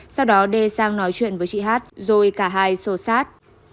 sau đó đê sang nói chuyện với chị hát rồi cả hai xô sát